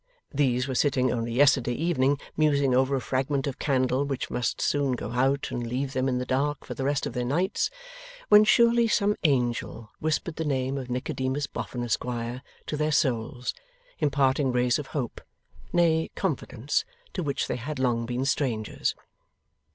These were sitting, only yesterday evening, musing over a fragment of candle which must soon go out and leave them in the dark for the rest of their nights, when surely some Angel whispered the name of Nicodemus Boffin, Esquire, to their souls, imparting rays of hope, nay confidence, to which they had long been strangers!